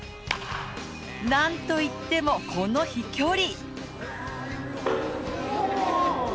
なんといっても、この飛距離。